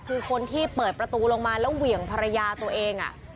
คือคนที่เปิดประตูลงมาแล้วเหวี่ยงภรรยาตัวเอง